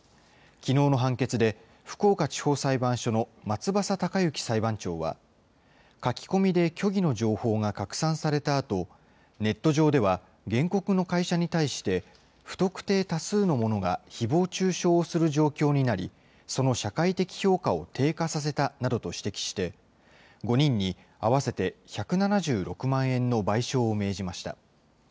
きのうの判決で、福岡地方裁判所の松葉佐隆之裁判長は書き込みで虚偽の情報が拡散されたあと、ネット上では原告の会社に対して、不特定多数の者がひぼう中傷をする状況になり、その社会的評価を低下させたなどと指摘して、５人に合わせて１７６万円の賠償を命じました。